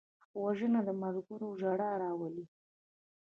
وژنه د ملګرو ژړا راولي